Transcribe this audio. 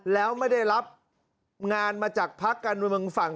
แล้วไม่ได้รับงานมาจากภาคการเมืองฝั่ง